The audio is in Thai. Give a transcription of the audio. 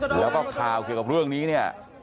แล้วก็ข่าวเกี่ยวกับเรื่องนี้เนี่ย